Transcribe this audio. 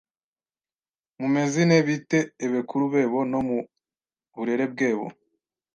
mu mezine bite ebekuru bebo no mu burere bwebo.